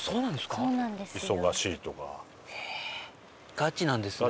ガチなんですね。